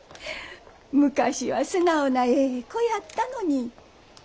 昔は素直なええ子やったのに。